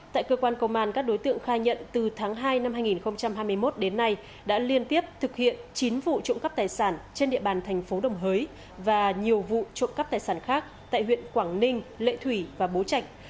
tại cơ quan công an các đối tượng khai nhận từ tháng hai năm hai nghìn hai mươi một đến nay đã liên tiếp thực hiện chín vụ trộm cắp tài sản trên địa bàn thành phố đồng hới và nhiều vụ trộm cắp tài sản khác tại huyện quảng ninh lệ thủy và bố trạch